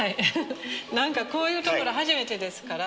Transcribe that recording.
なんかこういう所初めてですから。